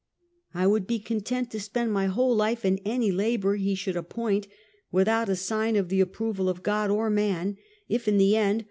I would be content to spend my whole life in any labor he should appoint, without a sign of the approval of God or man, if, in the end, Join Ciiuech.